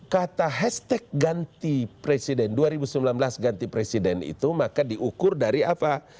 kata hashtag ganti presiden dua ribu sembilan belas ganti presiden itu maka diukur dari apa